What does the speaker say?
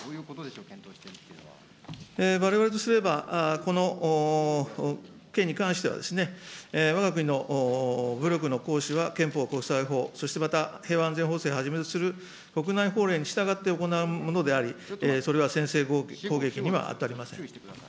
われわれとすれば、この件に関しては、わが国の武力の行使は憲法、国際法、そしてまた平和安全法制はじめとする国内法令に従って行うものであり、それは先制攻撃には当たりません。